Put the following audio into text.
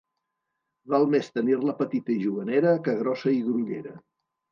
Val més tenir-la petita i juganera, que grossa i grollera.